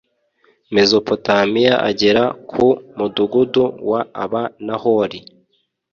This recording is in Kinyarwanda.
Mezopotamiya agera ku mudugudu w aba Nahori